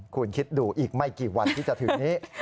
คุณคิดดูอีกไม่กี่วันที่จะถึงนี้